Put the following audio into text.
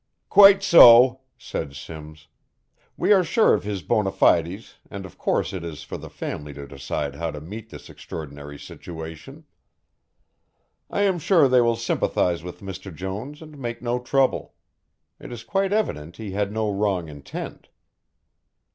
"Quite so," said Simms, "we are sure of his bonafides and of course it is for the family to decide how to meet this extraordinary situation. I am sure they will sympathize with Mr. Jones and make no trouble. It is quite evident he had no wrong intent."